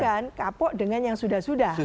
bukan kapok dengan yang sudah sudah